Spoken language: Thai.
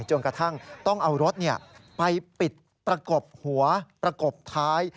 จนกระทั่งต้องเอารถไปปิดประกบหัวประกบท้าย